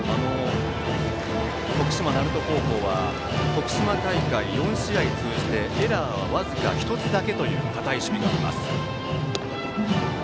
徳島・鳴門高校は徳島大会４試合通じてエラーは僅か１つだけという堅い守備があります。